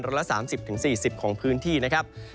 ละ๓๐๔๐ของพื้นที่นะครับ